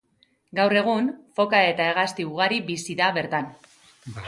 Gaur egun, foka eta hegazti ugari bizi da bertan.